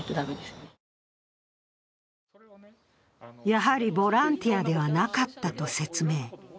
やはりボランティアではなかったと説明。